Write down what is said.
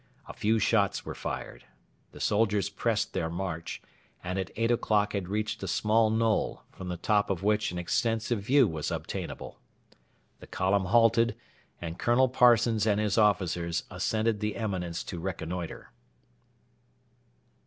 A few shots were fired. The soldiers pressed their march, and at eight o'clock had reached a small knoll, from the top of which an extensive view was obtainable. The column halted, and Colonel Parsons and his officers ascended the eminence to reconnoitre.